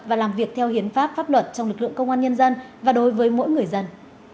và làm việc theo hiến pháp pháp luật trong lực lượng công an nhân dân và đối với mỗi người dân